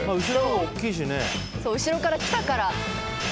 後ろから来たから。